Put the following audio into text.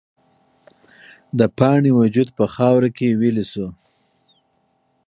د پاڼې وجود په خاوره کې ویلې شو.